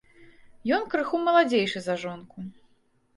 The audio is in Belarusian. Ён крыху маладзейшы за жонку.